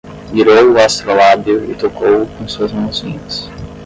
Mirou o astrolábio e tocou-o com suas mãozinhas